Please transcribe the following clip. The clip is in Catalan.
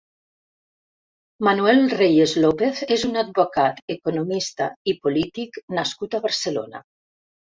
Manuel Reyes López és un advocat, economista i polític nascut a Barcelona.